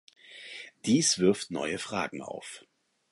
Dies wirft neue Fragen auf.